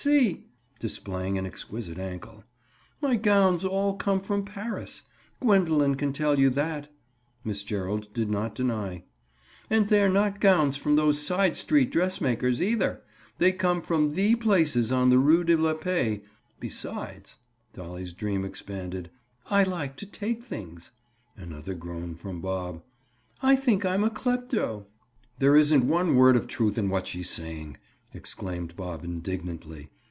See!" Displaying an exquisite ankle. "My gowns all come from Paris. Gwendoline can tell you that." Miss Gerald did not deny. "And they're not gowns from those side street dressmakers, either. They come from the places on the rue de la Paix. Besides"—Dolly's dream expanded—"I like to take things." Another groan from Bob. "I think I'm a clepto." "There isn't one word of truth in what she's saying," exclaimed Bob indignantly.